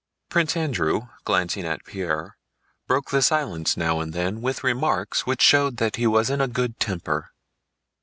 Prince Andrew, glancing at Pierre, broke the silence now and then with remarks which showed that he was in a good temper.